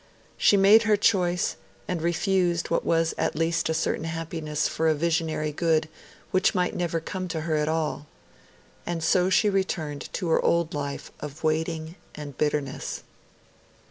She made her choice, and refused what was at least a certain happiness for a visionary good which might never come to her at all. And so she returned to her old life of waiting and bitterness.